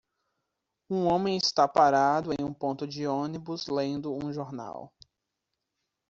Um homem está parado em um ponto de ônibus lendo um jornal.